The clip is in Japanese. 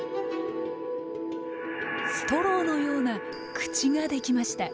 ストローのような口ができました。